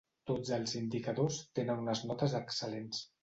Tots els indicadors tenen unes notes excel·lents.